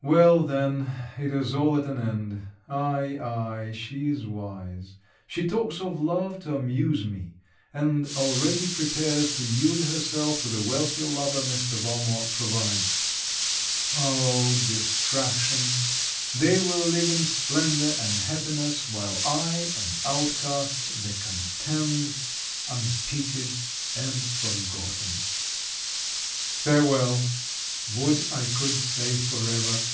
Well, then, it is all at an end! Ay, ay, she is wise. She talks of love to amuse me, and already prepares to yield herself to the wealthy lover Mr. Valmont provides. Oh, distraction! They will live in splendor and happiness, while I, an outcast, the contemned, unpitied, and forgotten. Farewel! Would I could say for ever!